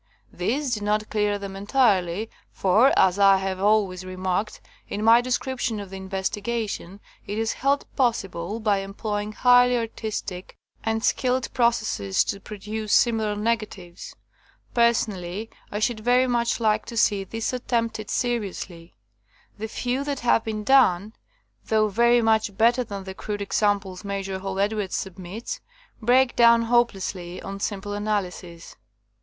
This did not clear them entirely, for, as I have always remarked in my description of the investigation, it is held possible by employ ing highly artistic and skilled processes to produce similar negatives. Personally, I 81 THE COMING OF THE FAIRIES should very mucli like to see this attempted seriously. The few that have been done, though very much better than the crude ex amples Major Hall Edwards submits, break down hopelessly on simple analysis.